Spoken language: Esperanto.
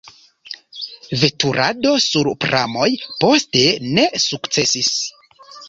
Veturado sur pramoj poste ne sukcesis.